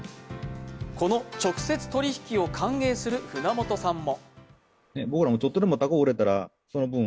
この直接取引を歓迎する船元さんも。